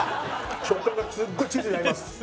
食感がすっごいチーズに合います。